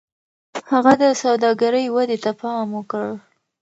هغه د سوداګرۍ ودې ته پام وکړ.